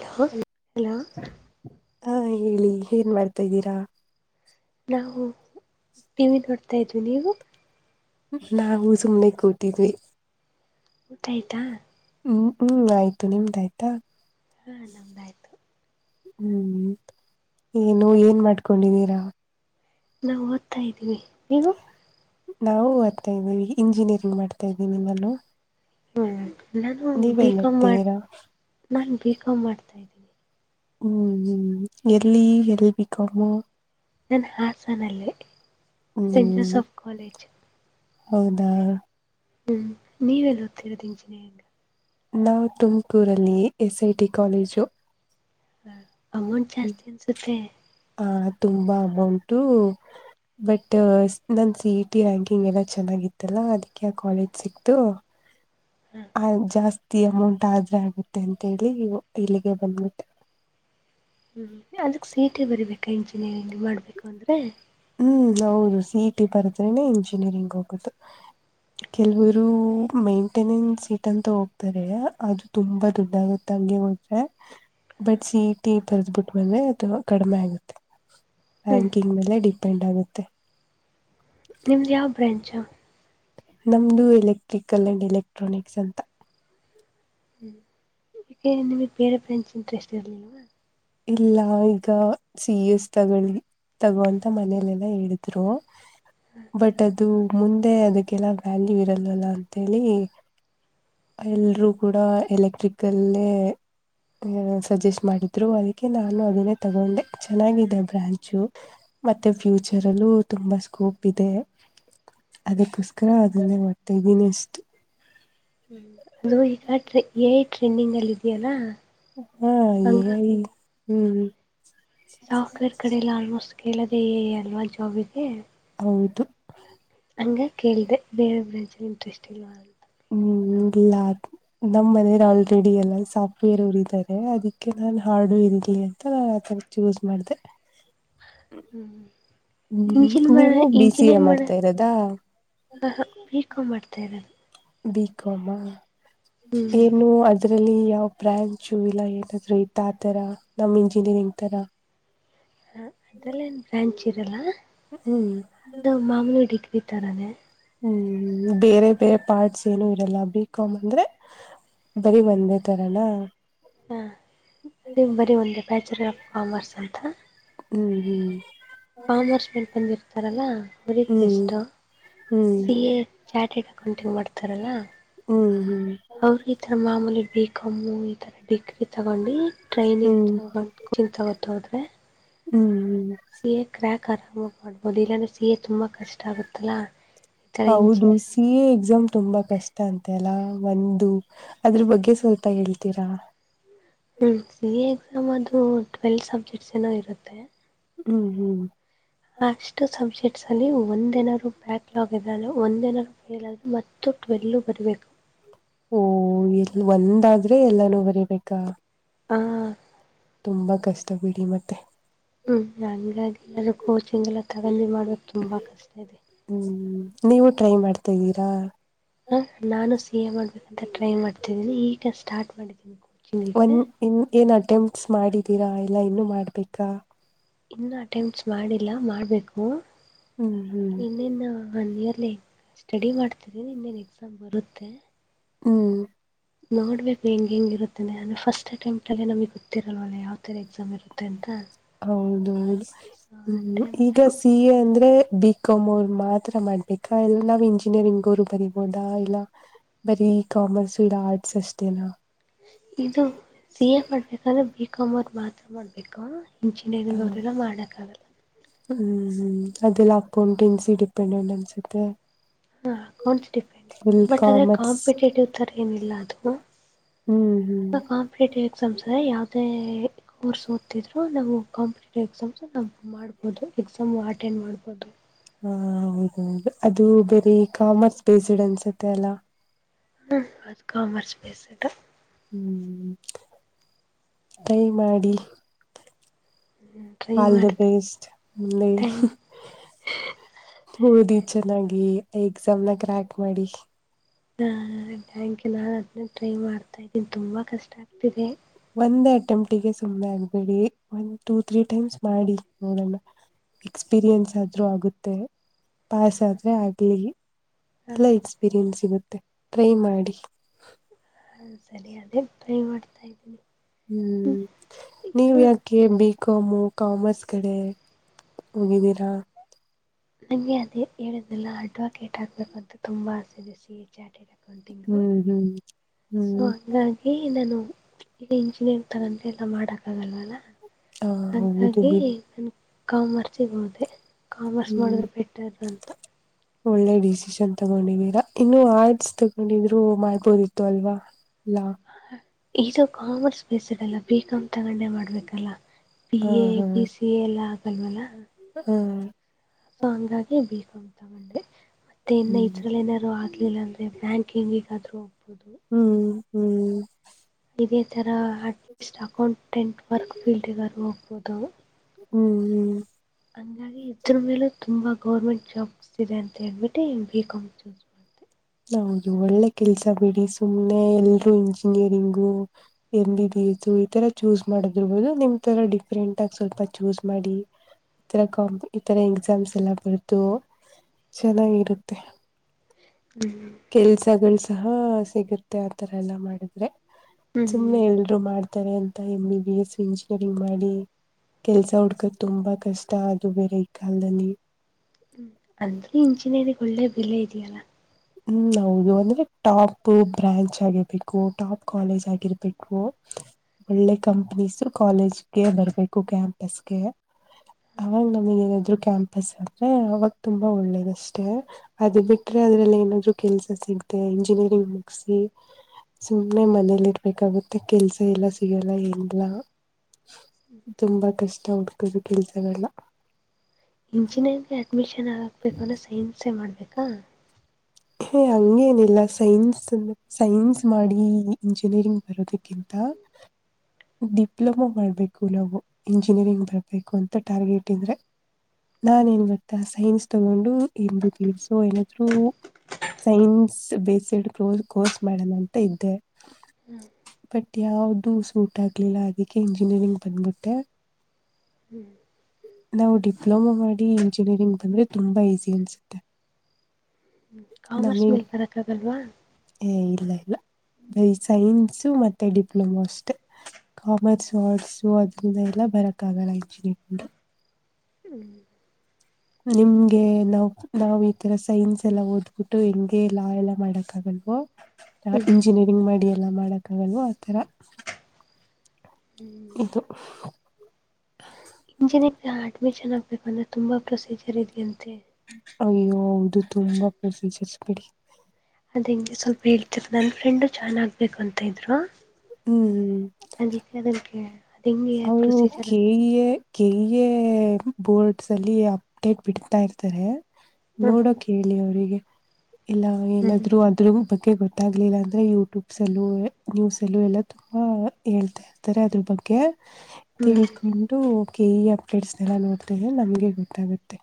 low hello ಹಾ ಹೇಳಿ ಏನ್ ಮಾಡ್ತಾ್ದೀರಾ ನಾವು ಟ ವಿ ನೋಡ್ತಾ ಇದ್ವಿ ನೀವು ನಾವು ಸುಮ್ನೆಗ್ ಕೂಟಿದ್ವಿ ಊಟ ಆಯ್ತಾ ಹ್ಮ್ ಹ್ಮ್ ಆಯ್ತು ನಿಮ್ದಾಯ್ತಾ ಹಾ ನಮ್ದಾಯ್ತು ಹ್ಮ್ ಏನು ಏನ್ ಮಾಡ್ಕೊಂಡಿದೀರಾ ನಾವು ಓದ್ತಾ ಇದ್ದೀವಿ ನೀವು ನಾವು ಬರ್ತಾ ಇದ್ದೀವಿ ಇಂಜಿನಿಯರಿಂಗ್ ಮಾಡ್ತಾ ಇದ್ದೀವಿ ನಿ ನಾನು ಹ್ಮ ನಾನು ನೀವೇನ್ ಬಿಕಾಾಮ್ ಮಾಡ ಮಾಡ್ತಿದ್ದೀರಾ ನಾನ್ ಬಿಕಾಮ್ ಮಾಡ್ತಾ ಇದ್ದೀನಿ ಹ್ಮ್ ಹ್ಮ ಎಲ್ಲಿಿ ಎಲ್ಬಿಕಮ ನಾನು ಹಾಸನಲ್ಲಿ ಸೆಂಟ್ ಹ್ಮ್ ಜೋಸಫ್ ಕಾಲೇಜು ಹೌದಾ ಹ್ಮ್ ನೀವೆಲ್ಲಿ ಹೋಗ್ತಾ ಇರೋದು ಇಂಜಿನಿಯರ್ ನಾವು ತುಮಕೂರಲ್ಲಿ ಎಸ್ಐಟಿ ಕಾಲೇಜು ಅಮನ್ ಚಸ್ ಜಿನಸುತ್ತ ಆ ತುಂಬಾ ಅಮೌಂಟು ಬಟ್ ನನ್ ಸಿ ಇ ಟಿ ರ್ಯಾಂಕಿಂಗ್ ಎಲ್ಲ ಚೆನ್ನಾಗಿತ್ತಲ್ಲ ಅದಕ್ಕೆ ಆ ಕಾಲೇಜ್ ಸಿಕ್ತು ಹ ಜಾಸ್ತಿ ಅಮೌಂಟ್ ಾದ್ರೆ ಆಗುತ್ತೆ ಅಂತೇಳಿ ಇಲ್ಲಿಗೆ ಬಂದ್ಬಿಟ್ಟೆ ಹ್ಮ್ ಅದಕ್ ಸೀಟೆ ಬರಿಬೇಕಾ ಇಂಜಿನಿಯರಿಂಗ್ ಮಾಡ್ಬೇಕು ಅಂದ್ರೆ ಹ್ಮ ನಾ ಸಿ ಇ ಟಿ ಬರದ್ರನೆ ಇಂಜಿನಿಯರಿಂಗ್ ಹೋಗುದು ಕೆಲ್ವರು ಮೈಂಟೆನೆನ್ಸ್ ಸೀಟ್ ಅಂತ ಹೋಗ್ತಾರೆ ಅದು ತುಂಬಾ ದುಡ್ಡಗುತ್ತಾಗ ಹಗೆ ಹೋದ್ರೆ ಬಟ್ ಸಿಟಿ ಬರೆದ್ ಬಿಿಟ್ಟ ಬಂದ್ರೆ ಅದು ಕಡಿಮೆ ಆಗುತ್ತೆ ಹ್ಮ್ ರ್ಯಾಂಕಿಂಗ್ ಮೇಲೆ ಡಿಪೆಂಡ್ ಆಗುತ್ತೆ ನಿಮ್ದ್ ಯಾವ ಬ್ರಾಂಚ್ ನಮ್ದು ಎಲೆಕ್ಟ್ರಿಕಲ್ ಅಂಡ್ ಎಲೆಕ್ಟ್ರಾನಿಕ್ಸ್ ಅಂತ ಹ್ಞ ಯಕೆ ನಿಮಗೆ ಬೇರೆ ಫ್ರೆಂಡಸ್ ಇಂಟ್ರೆಸ್ಟ್ ಇರಲಿಲ್ಲವಾ ಇಲ್ಲ ಈಗ ಸಿ ಎಸ್ ತಗೊಳ್ಳಿ ತಗೋಂತ ಮನೇಲೆ ಹೇಳಿದ್ರು ಬಟ್ ಅ ಅದು ಮುಂದೆ ಅದಕ್ಕೆಲ್ಲ ವ್ಯಾಲ್ಯೂ ಇರಲ್ಲಲ್ಲ ಅಂತೇಳಿ ಎಲ್ರೂ ಕೂಡ ಎಲೆಕ್ಟ್ರಿಕ್ಲ್ಲೇ ಸಜೆಸ್ಟ್ ಮಾಡಿದ್ರು ಅದ ನಾನು ಅದನ್ನೇ ತಗೊಂಡೆ ಚೆನಾಗಿದೆ ಬ್ರಾಂಚು ಮತ್ತೆ ಫ್ಯೂಚರ್ ಅಲ್ಲೂ ತುಂಬಾ ಸ್ಕೋಪ್ ಇದೆ ಅದಕ್ಕೋಸ್ಕರ ಅದಲ್ಲ ಓದ್ತಾ ಇದ್ದೀನಿ ಅಷ್ಟು ಹ್ಮ ಅದು ಈಗ ಎಐ ಟ್ರೆಂಡಿಂಗ್ ಅಲ್ಲಿ ಇದೆಯಲ್ಲಾ ಹಾ ಈ ಹ್ಮ್ ಸಾಫ್ಟ್ವೇರ್ ಕಡೆಲ್ಲ ಆಲ್ಮೋಸ್ಟ್ ಕೇಳದೇ ಅಲ್ವಾ ಜಾಬ್ ಇದೆ ಹೌದು ಹಂಗ ಕೇಳಿದೆ ಬೇರೆಬ್ರ ಇಂಟ್ರೆಸ್ಟ್ ಇಲ್ವಾ ಹ್ಮ್ ಲಾಖ ನಮ್ಮ್ ಮನೆಯರು ಆಲ್ರೆಡಿ ಎಲ್ಲ ಸಾಫ್ಟ್ವೇರ್ ಉರಿದ್ದಾರೆ ಅದಕ್ಕೆ ನಾನ್ ಹಾರ್ಡ್ವೇರ್ ಇಲಿ ಅಂತ ಚೂಸ್ ಮಾಡಿದೆ ಹ್ಮ್ ಹ್ಮ್ ಇಂಜಿನ್ ಮಾಡ ನೀವು ಬಿ ಸಿ ಇಂಜಿನ್ ಎ ಏನ್ ಮಾಡ ಮಾಡ್ತಾ ಇರೋದಾ ಹ ಹ ಬೀಕೊ ಮಾಡ್ತ ತ್ತ ಬಿಕೋಮ್ ಹ್ಮ್ ಏನು ಅದ್ರಲ್ಲಿ ಯ ನ ಬ್ರಾಂಚು ಇಲ್ಲ ಏನಾದ್ ಇದ್ದ ಆತರ ನಮ್ ಇಂಜಿನಿಯರಿಂಗ್ ತರ ಹ ಅದ್ರಲ್ಲ ಏನು ಬ್ರಾಂಚ್ ಇರಲ್ಲ ಹ್ಮ್ ಅದು ಮಾಮೂಲಿ ಡಿಗ್ರಿ ತರೆ ಹ್ಮ್ ಬೇರೆ ಬೇರೆ ಪಾರ್ಟ್ಸ್ ಏನು ಇರಲ್ಲ ಬಿ ಕಾಮ್ ಅಂದ್ರೆ ಬರೀ ಬಂದೇ ತರಾನ ಹಾಂ ಅ ಬರೀ ಒಂದು ಬ್ಯಾಚುಲರ್ ಆಫ್ ಕಾಮರ್ಸ್ ಅಂತ ಹ್ಮ್ ಹ್ಮ್ ಕಾಮರ್ಸ್ ಮೇಲೆ ಬಂದಿರ್ತಾರಲ್ಲ ಹ್ಮ್ ಬರೀಷ್ಟು ಹ್ಮ್ ಇಲ್ಲಿ ಚಾರ್ಟೆಡ್ ಅಕೌಂಟಿಂಗ್ ಮಾಡ್ತಾರಲ್ಲ ಹ್ಮ್ ಹ್ಮ್ ಹ್ಮ್ ಅವರು ಈ ತರ ಮಾಮೂಲಿ ಬಿಕಮ್ಮು ಈ ತರ ಡಿಗ್ರಿ ತಗೊಂಡು ಟ್ರೈನಿಂಗ್ ಹ್ಮ್ ಹ್ಮ್ ತಗೊಂಡಕ್ಕಿಂತ ಗೊತ್ತೋದ್ರೆ ಹ್ಮ್ ಸಿಹೆ ಕ್ರ್ಯಾಕ್ ಆರಾಮಾಗಿ ಮಾಡ್ಬೋದು ಇಲ್ಲಾಂದ್ರೆ ಸಿಹೆ ತುಂಬಾ ಕಷ್ಟ ಆಗುತ್ತಲ್ಲಾ ಹೌದು ಸಿ ಎ ಎಕ್ಸಾಮ್ ತುಂಬಾ ಕಷ್ಟ ಅಂತೆ ಅಲ್ಲ ಒಂದು ಅದ್ರ ಬಗ್ಗೆ ಸ್ವಲ್ಪ ಹೇಳ್ತೀರಾ ಹ್ಮ ಸಿ ಎ ಎಕ್ಸಾಮ್ ಅದು ಟ್ವೆಲ್ತ್ ಸಬ್ಜೆಕ್ಟ್ಸ್ ಏನೋ ಇರುತ್ತೆ ಹ್ಮ್ ಹ್ಮ್ ಅಷ್ಟು ಸಬ್ಜೆಕ್ಟ್ಸ್ ಅಲ್ಲಿ ಒಂದ್ ಏನಾದ್ರು ಬ್ಯಾಕ್ಲಾಗ್ ಇದ ಒಂದ್ ಏನಾರು ಫೇಲ್ ಮತ್ತು ಟ್ವೆಲ್ಲು ಬರಬೇಕು ಓ ಎಲ್ ಒಂದಾದ್ರೆ ಎಲ್ಲಾನೂ ಬರಿಬೇಕಾ ಹಾ ತುಂಬಾ ಕಷ್ಟ ಬಿಡಿ ಮತ್ತೆ ಹ್ಞ ಹಂಗಾಗಿಲ್ಲಾದರೂ ಕೋಚಿಂಗ ಎಲ್ಲ ತಗೊಂಡಿ ಮಾಡ್ಬೇಕು ತುಂಬ ಕಷ್ಟ ಇದೆ ಹ್ಮ್ ನೀವು ಟ್ರೈ ಮಾಡ್ತಿದ್ದೀರಾ ಹ ನಾನು ಸಿ ಎ ಮಾಡ್ಬೇಕಂತ ಟ್ರೈ ಮಾಡ್ತಿದ್ದೀನಿ ಈಗ ಸ್ಟಾರ್ಟ್ ಮಾಡಿದ್ದನಿ ಒಂದ್ ಇನ್ ಏನ್ ಅಟೆಂಪ್ಟ್ಸ್ ಮಾಡಿದೀರಾ ಇಲ್ಲ ಇನ್ನು ಮಾಡ್ಬೇಕಾ ಇನ್ನುೂ ಅಟೆಂಪಟ್ಸ್ ಮಾಡಿಲ್ಲ ಮಾಡ್ಬೇಕು ಹ್ಮ್ ಹ್ಮ್ ಇನ್ನೇನ್ ಒನ್ ಇಯರ್ ಸ್ಟಡಿ ಮಾಡ್ತಿದಿ ನಿ ಇನ್ನೇನ್ ಎಕ್ಸಾಮ್ ಬರುತ್ತೆ ಮತ್ತು ಹ್ಮ್ ನೋಡ್ಬೇಕು ಹೆಂಗ್ ಹೆಂಗಿರುತ್ತೇನೆ ಅಂದ್ರೆ ಫಸ್ಟ್ ಅಟೆಂಪ್ಟ್ ಅಲ್ಲ ನಮ ಗೊತ್ತಿರಲ್ವಲ್ಲ ಯಾವ ಥರ ಎಕ್ಸಾಮ್ ಇರುತ್ತೆ ಅಂತ ಹೌದೌದು ಸೊ ಹ್ಮ ಈಗ ಅಟೆಂಪ್ಟು ಸಿ ಎ ಅಂದ್ರೆ ಬಿ ಕಮ್ ಅವರು ಮಾತ್ರ ಮಾಡ್ಬೇಕಾ ಇಲ್ಲ ನಾವ್ ಇಂಜಿನಿಯರಿಂಗ್ ಅವರು ಬರಿಬೋದಾ ಇಲ್ಲ ಬರೀ ಕಾಮರ್ಸ್ ಇಲ್ಲ ಆರ್ಟ್ಸ್ ಅಷ್ಟಿದೆ ನ ಇದು ಸಿ ಎ ಮಾಡ್ಬೇಕಂದ್ರೆ ಬಿ ಕಾಮ ಅವರ್ ಮಾತ್ರ ಮಾಡ್ಬೇಕು ಹ ಇಂಜಿನಿಯರಿಂಗ್ ಅವರುಲ್ಲ ಮಾಡೋಕ್ಕಾಗಲ್ಲ ಹ್ಮ್ ಹ್ಮ್ ಅದೆಲ್ಲ ಹಾಕ್ಕೊಂಡುನ್ಸಿ ಡಿಪೆಂಡೆಂಟ್ ಅನ್ಸುತ್ತೆ ಹಾ ಅಕೌಂಟ್ಸ್ ಡಿಪೆಂಡ ಫುಲ್ ಬಟ್ ಆದ್ರೆ ಕಾಮರ್ಸ್ ಕಾಂಪಿಟೇಟಿವ್ ಥರ ಏನಿಲ್ಲ ಅದು ಹ್ಮ್ ಹ್ಮ್ ಈಗ ಕಾಂಪಿಟೇಟಿವ್ ಎಕ್ಸಾಮ್ಸ್ ಅ ಯಾವದೇ ಕೋರ್ಸ್ ಓದ್ತಿದ್ರು ನಾವು ಕಾಂಪ ಎಕ್ಸಾಮ್ಸ್ ನ ಮಾಡ್ಬಹುದು ಎಕ್ಸಾಮ್ ಅಟೆಂಡ್ ಮಾಡ್ಬೋದು ಹ ಹೌದೌದು ಅದು ಬೇರೆ ಕಾಮರ್ಸ್ ಬೇಸ್ಡ್ ಅನ್ಸುತ್ತೆ ಅಲ್ಲ ಹ್ಮ ಅದು ಕಾಮರ್ಸ್ ಬೇಸಿಕ್ ಹ್ಮ್ ಟೈ ಮಾಡಿ ಟ್ರೈ ಆಲ್ ದ ಮಾಡಿದೆ ಬೆಸ್ಟ್ ನಿಮ್ಮ್ ಲೈಫ್ ಥ್ಯಾಂಕ್ ಓದಿ ಚೆನ್ನಾಗಿ ಎಕ್ಸಾಮ್ನ ಕ್ರ್ಯಾಕ್ ಮಾಡಿ ಹಾ ಕ್ ನಾನನ್ ಅದನ್ನೇ ಟ್ರೈ ಮಾಡ್ತಾ ಇದ್ದೀನಿ ತುಂಬಾ ಕಷ್ಟ ಆಗ್ತಿದೆ ಒಂದ್ ಅಟೆಂಪ್ಟಿಗೆ ಸುಮ್ಮ್ನೆ ಆಗ್ಬೇಡಿ ಒಂದ್ ಟೂ ತ್ರೀ ಟೈಮ್ಸ್ ಮಾಡಿ ನೋಡೋಣ ಎಕ್ಸ್ಪೀರಿಯನ್ಸ್ ಆದ್ರೂ ಆಗುತ್ತೆ ಪಾಸ್ ಆದ್ರೆ ಆಗ್ಲಿ ಎಲ್ಲ ಎಕ್ಸ್ಪೀರಿಯೆನ್ಸ್ ಸಿಗುತ್ತೆ ಟ್ರೈ ಮಾಡಿ ಹಾ ಸರಿ ಅದೇ ಮಾಡ್ತಾ ಇದ್ದೀನಿ ಹ್ಮ್ ನೀವ ಇದು ಯಾಕೆ ಬ ಕಾಮು ಕಾಮರ್ಸ್ ಕಡೆ ಹೋಗಿದ್ದೀರಾ ನಂಗೆ ಅದೇ ಹೇಳುದಿಲ್ಲ ಅಡ್ವಕೇಟ್ ಆಗ್ಬೇಕು ಅಂತ ತುಂಬಾ ಆಸೆ ಇ ಸಿ ಹ್ಮ್ ಹ್ಮ್ ಸೊ ಹ್ಮ್ ಹಂಗಾಗಿ ನಾನು ಇ ಇಂಜಿನಿಯರ್ ತಗೊಂಡಂತೆ ಎಲ್ಲ ಮಾಡಕ್ ಆಗಲ್ವಲ್ಲ ಹ ಹೌದು ಹಾಗಾಗಿ ಬಿಡಿ ಕಾಮರ್ಸಿಗೆ ಹೋದೆ ಕಾಮರ್ಸ್ ಹ್ಮ್ ಮಾಡಿದ್ರೆ ಬೆಟ್ಟದ ಅಂತ ಒಳ್ಳೆ ಡಿಸಿಷನ್ ತಗೊಂಡಿದೀರಾ ಇನ್ನು ಆರ್ಟ್ಸ್ ತಗೊಂಡಿದ್ರು ಮಾಡ್ಬೋದಿತ್ತು ಅಲ್ವಾ ಲಾ ಇದು ಕಾಮರ್ಸ್ ಬೇಸ್ ಇರಲ್ಲ ಬಿ ಕಾಾಮ್ ತಗೊಂಡೆ ಮಾಡ್ಬೇಕಲ್ಲ B A B C A ಎಲ್ಲ ಆಗಲ್ವಲ್ಲ ಹ್ಮ ಸೊ ಹಂಗಾಗಿ ಬೇಕು ಅಂತ ತಗೊಂಡೆ ಮತ್ತೆ ಇ ಹ್ಮ್ ನೈರಲ್ಲಿ ಏನಾದಾರರು ಆ ಇಲಿಲ್ಲ ಅಂದ್ರೆ ಬ್ಯಾಂಕಿಂಗ್ಗಾದ್ರರು ಹ್ಮ್ ಹ್ಮ್ ಇದೇ ತರ ಅಟ್ಲೀಸ್ಟ್ ಅಕೌಂಟೆಂಟ್ ವರ್ಕ್ ಫೀಲ್ಡ್ಗ ಹೋಗ್ಬಹುದು ಹ್ಮ್ ಹ್ಮ್ ಹಂಗಾಗಿ ಇದ್ರ ಮೇಲೆ ತುಂಬಾ ಗೌರ್ಮೆಂಟ್ ಜಾಬ್ಸ್ ಇದೆ ಅಂತ ಹೇಳೇಳ್ಬಿಟ್ಟು ಬಿ ಕಾಮ್ ಚೂಸ್ ಮಾಡ್ತವಿ ನೌದು ಒಳ್ಳೆ ಕೆಲ್ಸ ಬಿಡಿ ಸುಮ್ನೆ ಎಲ್ರುೂ ಇಂಜಿನಿಯರಿಂಗು ಎಲ್ಲಿದ್ದೀಯಾ ಚೂಹಿತ್ ತರ ಚೂಸ್ ಮಾಡದಿರ್ಬೋದು ನಿಮ್ ತರ ಡಿಫ್ರೆಂಟ್ ಆಗಿ ಸ್ವಲ್ಪ ಚೂಸ್ ಮಾಡಿ ಇತರ ಕಾ ಇತರ ಎಕ್ಸಾಮ್ಸ್ ಎಲ್ಲ ಬರ್ತು ಚೆನ್ನಾಗಿರುತ್ತೆ ಹ್ಮ್ ಕೆಲ್ಸಗಳು ಸಹ ಸಿಗುತ್ತೆ ಆತರ ಎಲ್ಲಾ ಮಾಡಿದ್ರೆ ಹ್ಮ್ ಸುಮ್ಮ್ನೆ ಎಲ್ರು ಮಾಡ್ತಾರೆ ಅಂತ M B B S engineering ಮಾಡಿ ಕೆಲ್ಸ ಹುಡ್ಕಕ್ ತುಂಬಾ ಕಷ್ಟ ಅದು ಬೇರೆ ಈ ಕಾಲದಲ್ಲಿ ಹ್ಮ್ ಅಂದ್ರೆ ಇಂಚಿನೇಗ್ ಒಳ್ಳೆ ಬೆಲೆ ಇದ್ಯಲ್ಲ ಹ್ಮ್ ಹೌದು ಅಂದ್ರೆ ಟಾಪ್ ಬ್ರಾಂಚ್ ಆಗಿರ್ಬೇಕು ಟಾಪ್ ಕಾಲೇಜ್ ಆಗಿರ್ಬೇಕು ಒಳ್ಳೆ ಕಂಪನೀಸ್ ಕಾಲೇಜ್ಗೆ ಬರ್ಬೇಕು ಕ್ಯಾಂಪಸ್ಗೆ ಹ ನಮಗೆ ಏನಾದ್ರು ಕ್ಯಾಂಪಸ್ ಅಂದ್ರೆ ಅವಾಗ ತುಂಬಾ ಒಳ್ಳೇದ ಅಷ್ಟೇ ಅದು ಬಿಟ್ರೆ ಅದ್ರಲ್ಲಿ ಏನಾದ್ರರು ಕೆಲ್ಸ ಸಿಗತೆ ಇಂಜಿನಿಯರಿಂಗ್ ಮುಗಿಸಿ ಸುಮ್ನೆ ಮನೇಲಿ ಇರ್ಬೇಕಾಗುತ್ತೆ ಕೆಲ್ಸ ಎಲ್ಲ ಸಿಗಲ್ಲ ಎಲ್ಲ ತುಂಬಾ ಕಷ್ಟ ಹುಡುಕದು ಕೆಲ್ತಾರಲ್ಲ ಇಂಜಿನಿಯರಿಂಗ್ಗೆ ಅಡ್ಮಿಷನ್ ಆಗಕ್ಬೇಕು ಅಂದ ಸೈನ್ಸೇ ಮಾಡ್ಬೇಕಾ ಹ ಹಂಗೇನಿಲ್ಲ ಸೈನ್ಸ್ ಸೈನ್ಸ್ ಮಾಡಿ ಇಂಜಿನಿಯರಿಂಗ್ ಬರೋದಕ್ಕಿಂತ ಹಾ ಡಿಪ್ಲೊಮೋ ಮಾಡ್ಬೇಕು ನಾವು ಇಂಜಿನಿಯರಿಂಗ್ ಬರ್ಬೇಕು ಅಂತ ಟಾರ್ಗೆಟ್ ಇದ್ರೆ ನಾ ಏನ್ ಬತಾ ಸೈನ್ಸ್ ತಗೊಂಡು ಎಂದು ತಿಸೋ ಏನಾದ್ ಸೈನ್ಸ್ ಬೇಸಿಡ್ ಕ ಕೋರ್ಸ್ ಮಾಡೋಣ ಅಂತ ಇದ್ದೆ ಹ್ಮ್ ಬಟ್ ಯಾವ್ದೂ ಸೂಟ್ ಆಗ್ಲಿಲ್ಲ ಅದಕ್ಕೆ ಇಂಜಿನಿಯರಿಂಗ್ ಬಂದ್ಬಿಟ್ಟೆ ಹ್ಮ್ ನಾವು ಡಿಪ್ಲೊಮಾ ಮಾಡಿ ಇಂಜಿನಿಯರಿಂಗ್ ಬಂದ್ರೆ ತುಂಬಾ ಈಸಿ ಅನ್ಸುತ್ತೆ [inaudible] ಕಾಮರ್ಸ್ ಮಿಲ್ ಬರಕ್ಕ ಆಗಲ್ವಾ ಲಲ್ಲ ಬೈ ಸೈನ್ಸ ಮತ್ತೆ ಡಿಪ್ಲೊಮಾ ಅಷ್ಟೆ ಕಾಮರ್ಸ್ ಆರ್ಟ್ಸ್ ಅದ್ರಂದ ಎಲ್ಲ ಬರಕ್ಕಾಗಲ್ಲ ಇಂಚಿನು ಹ್ಮ್ ನಿಮ್ಗೆ ನಾವ್ ನಾವ್ ಈತರ ಸೈನ್ಸ್ ಎಲ್ಲ ಓದ್ಬಿಟ್ಟು ಹೆಂಗೆ ಲಾ ಎಲ್ಲ ಮಾಡಕ್ ಆಗಲ್ಲ ಹ್ಮ್ ಇಂಜಿನಿಯರಿಂಗ್ ಮಾಡಿ ಎಲ್ಲಾ ಮಾಡಕಗಲ್ ಆತರ ಇದು ಇಂಜಿನಿಯರ್ ಅಡ್ಮಿಷನ್ ಆಗ್ಬೇಕಂದ್ರೆ ತುಂಬಾ ಪ್ರೊಸೀಜರ್ ಇದೆಯಂತೆ ಅ ಹೌದು ತುಂಬಾ ಪ್ರೋಸೆಸ್ ಬಿಡಿ ಅದ ಹಂಗೆ ಸ್ವಲ್ಪ ಹೇಳ್ತರ್ ನನ್ ಫ್ರೆಂಡು ಜಾಯಿನ್ ಆಗಬೇಕು ಅಂತ ಇದ್ರು ಹ್ಮ್ ಅದಕ್ಕೆದಕ್ಕೆ ಅವರು K A K A boards ಅಲ್ಲಿ ಅಪ್ಡೇಟ್ ಬಿಡ್ತಾ ಇರ್ತಾರೆ ಹ್ಮ್ ನೋಡೋಕ್ ಹೇಳಿ ಅವರಿಗೆ ಇಲ್ಲ ಹ್ಮ್ ಏನಾದ್ರು ಅದ್ ಬಗ್ಗೆ ಗೊತ್ತ ಗೊತ್ತಾಗ್ಲಿಲ್ಲ ಅಂದ್ರೆ ಯೂಟ್ಯೂಬ್ಸಲ್ಲೂ ನ್ಯೂಸ್ಲ್ಲೂ ಎಲ್ಲ ತುಂಬಾ ಹೇಳ್ತಾ ಇರ್ತಾರೆ ಅದ್ರ ಬಗ್ಗೆ ಹ್ಮ್ ಹ್ಮ್ ತಿಳ್ಕೊಂಡು ಓಕೆ ಈ ಅಪ್ಡೇಟ್ಸ್ನೆಲ್ಲ ನೋಡ್ರ ನಮ್ಗೆ ಗೊತ್ತಾಗುತ್ತೆ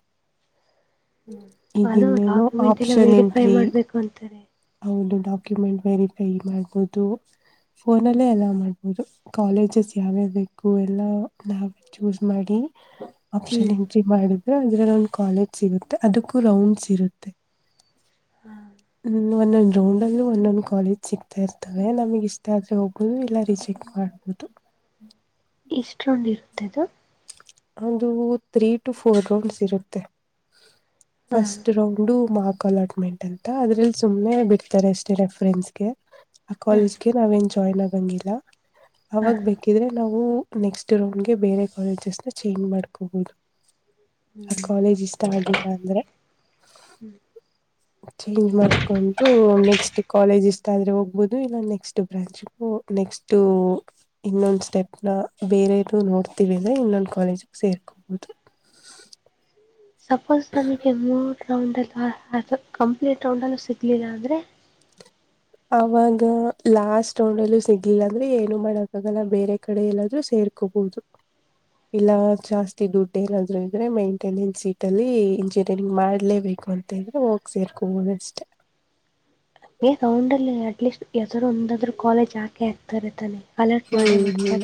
ಅದು ಈಗಿನ್ನೇನೋ ಡಾಕ್ಯುಮೆಂಟ್ ಎಲ್ಲ ಆಪ್ಷನ್ ವೆರಿಫೈ ಎಂಟ್ರಿ ಮಾಡ್ಬೇಕು ಅಂತಾರೆ ಹೌದು ಡಾಕ್ಯುಮೆಂಟ್ ವೆರಿಫೈ ಮಾಡ್ಬೋದು ಫೋನಲ್ಲೇ ಎಲ್ಲ ಮಾಡ್ಬ ಹೌದು ಕಾಲೇಜಸ್ ಯಾವ್ಯ ಬೇಕು ಎಲ್ಲ ನಾವ ಚೂಸ್ ಮಾಡಿ ಆಪ್ಷನ್ ಹ್ಮ್ ಎಂಟ್ರಿ ಮಾಡಿದ್ರೆ ಅದ್ರಲ್ಲ ಒಂದು ಕಾಲೇಜ್ ಸಿಗತ್ತೆ ಅದಕ್ಕೂ ರೌಂಡ್ಸ್ ಇರುತ್ತೆ ಹ್ಮ ಒಂದೊಂದ್ ರೌಂಡ್ ಅಲ್ಲಿ ಒಂದೊಂದ್ ಕಾಲೇಜ್ ಸಿಗ್ತಾ ಇರ್ತವೆ ನಮಗ್ ಇಷ್ಟ ಆದ್ರೆ ಹೋಗ್ಬಹುದು ಇಲ್ಲ ರಿಜೆಕ್ಟ್ ಮಾಡ್ಬಹುದು [inaudible] ಎಷ್ಟೊಂಡ ಇರುತ್ತದು ಅದು ತ್ರೀ ಟು ಫೋರ್ ರೌಂಡ್ಸ್ ಇರುತ್ತೆ ಹಾ ಫಸ್ಟ್ ರೌಂಡ್ ಮಾರ್ ಅಲಾಟ್ಮೆಂಟ್ ಅಂತ ಅದ್ರಲ್ಲಿ ಸುಮ್ನೆ ಬಿಡ್ತಾರೆ ಅಷ್ಟೇ ರೆಫರೆನ್ಸ್ಗೆ ಆ ಹಾ ಕಾಲೇಜ್ಗೆ ನಾವ ಜಾಯ್ನ್ ಆಗಂಗಿಲ್ಲ ಅವಾಗ ಹಾ ಬೇಕಿದ್ರೆ ನಾವು ನೆಕ್ಸ್ಟ್ ರೌಂಡ್ಗೆ ಬೇರೆ ಕಾಲೇಜಸ್ ನ ಚೇಂಜ್ ಮಾಡ್ಕೋಬಹುದು ಹ್ಮ್ ಕಾಲೇಜ್ ಇಷ್ಟ ಆಗಿಲ್ಲ ಅಂದ್ರೆ ಚೇಜ್ ಮಾಡ ಕಂತು ನೆಕ್ಸ್ಟ್ ಕಾಲೇಜ್ ಆದ್ರೆ ಹೋಗ್ಬಹುದು ಇಲ್ಲ ನೆಕ್ಸ್ಟ್ ಬ್ರಾಂಚ್ಗೂ ನೆಕ್ಸ್ಟ್ ಇನ್ನೊಂದ್ ಸ್ಟೆಪ್ ನ ಬೇರೆಯವರು ನೋಡ್ತಿೀವಿ ಅಂದ್ರ ಇನ್ನೊಂದ್ ಕಾಲೇಜಗ ಸೇರ್ ಕೋಭೋದು ಸಪೋಸ್ ತಮಗೆ ಮೂರ ರೌಂಡ್ ಅಲ್ವಾ ಕಂಪ್ಲೀಟ್ ರೌಂಡ್ ಅಲ್ಲೂ ಸಿಗ್ಲಿಲ್ಲ ಆದ್ರೆ ಅವಾಗ ಲಾಸ್ಟ್ ಹೋಂಡಲ್ಲ ಸಿಗಿಲ್ಲ ಅಂದ್ರೆ ಏನು ಮಾಡಕ್ಕಗಲ್ಲ ಬೇರೆ ಕಡೆ ಎಲ್ಲಾದ್ರೂ ಇಕಬೋುದು ಇಲ್ಲ ಜಾಸ್ತಿ ದುಡ್ಡು ಏನಾದ್ೂ ಇದ್ರೆ ಮೈಂಟೆನೆನ್ಸ್ ಸೀಟ್ ಅಲ್ಲಿ ಇಂಜಿನಿಯರಿಂಗ್ ಮಾಡ್ಲೇಬೇಕು ಂತಿದ್ರೆ ಹೋಗ ಸೇರ್ಕೊ ಅಷ್ಟೆ ಏ್ ತೌಂಡಲ್ಲಿ ಅಟ್ಲೀಸ್ಟ್ ಎದರು ಒಂದಾದ್ರರು ಕಾಲೇಜ್ ಹಾಕೆ ಹ ಆಗ್ತಾ ಇರ್ತಾನೆ ಹ್ಮ್ ಹ್ಮ್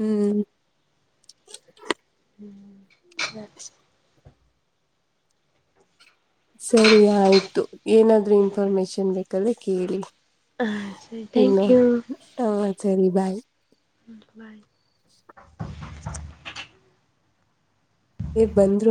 ಹ್ಮ್ ಹ್ಮ್ ಸ ಸರಿ ಆಯ್ತು ಏನಾದ್ೂ ಇನ್ಫಾರ್ಮೇಶನ್ ಬೇಕಾದ್ರೆ ಕೇಳಿ ಹಾಂ ಸರಿ ಥ್ಯಾಂಕ್ ಇನ್ನು ಯು ಹ ಸರಿ ಬಾಯ್ ಬಾಯ ಬಂದ್ರು